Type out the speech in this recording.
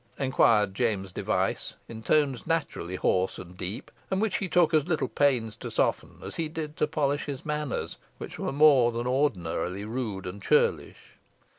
inquired James Device, in tones naturally hoarse and deep, and which he took as little pains to soften, as he did to polish his manners, which were more than ordinarily rude and churlish.